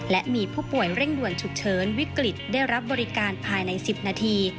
และมีผู้ป่วยเร่งด่วนฉุกเฉินวิกฤตได้รับบริการภายใน๑๐นาที